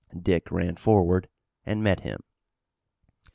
Dick ran forward and met him.